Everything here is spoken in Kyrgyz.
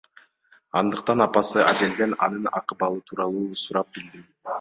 Андыктан апасы Аделден анын акыбалы тууралуу сурап билдим.